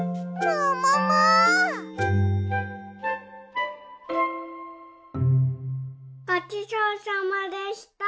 ごちそうさまでした。